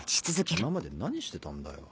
今まで何してたんだよ。